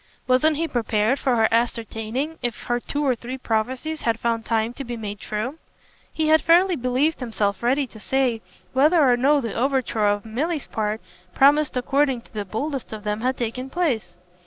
Wasn't he prepared for her ascertaining if her two or three prophecies had found time to be made true? He had fairly believed himself ready to say whether or no the overture on Milly's part promised according to the boldest of them had taken place.